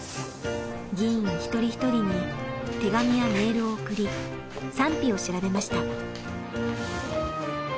議員一人ひとりに手紙やメールを送り賛否を調べました。